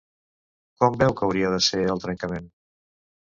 Com veu que hauria de ser el trencament?